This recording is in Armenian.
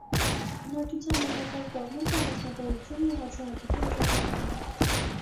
Բնակչության հիմնական զբաղմունքը անասնապահությունն ու հացահատիկի մշակությունն է։